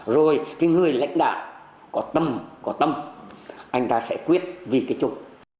rồi người lãnh đạo có tâm anh ta sẽ quyết vì cái chung